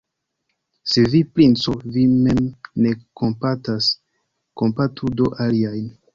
Se vi, princo, vin mem ne kompatas, kompatu do aliajn!